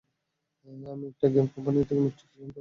আমি একটা গেম কোম্পানিতে থেকে ম্যাট্রিক্স গেমটা বানিয়েছি।